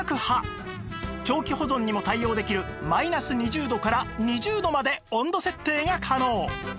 長期保存にも対応できるマイナス２０度から２０度まで温度設定が可能